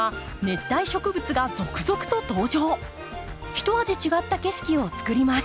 ひと味違った景色をつくります。